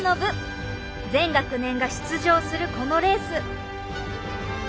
全学年が出場するこのレース。